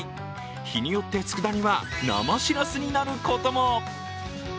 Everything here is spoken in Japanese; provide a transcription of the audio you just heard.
日によって、つくだ煮は生しらすになることも。